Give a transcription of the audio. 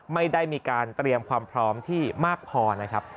ไม่ได้มีการเตรียมความพร้อมที่มากพอนะครับ